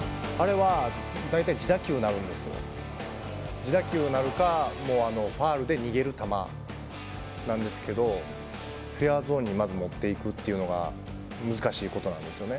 自打球になるかファウルで逃げる球なんですけどフェアゾーンにまず持っていくというのが難しいところなんですね。